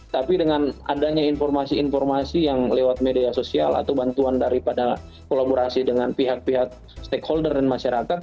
tapi dengan adanya informasi informasi yang lewat media sosial atau bantuan daripada kolaborasi dengan pihak pihak stakeholder dan masyarakat